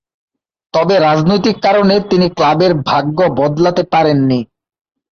তবে রাজনৈতিক কারণে তিনিও ক্লাবের ভাগ্য বদলাতে পারেননি।